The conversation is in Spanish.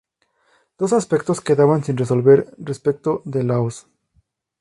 Dos aspectos quedaban sin resolver respecto de Laos.